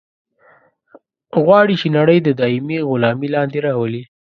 غواړي چې نړۍ د دایمي غلامي لاندې راولي.